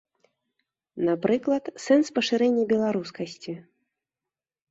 Напрыклад, сэнс пашырэння беларускасці.